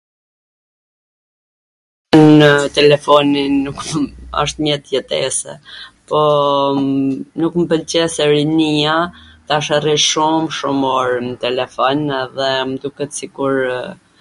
nw telefoni nuk asht mjet jetese, pooo nuk mw pwlqen se rinia tash rri shum shum or n telefon edhe m duket sikurw...